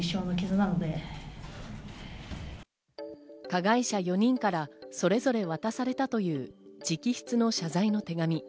加害者４人からそれぞれ渡されたという直筆の謝罪の手紙。